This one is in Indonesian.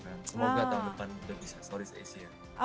semoga tahun depan udah bisa stories asia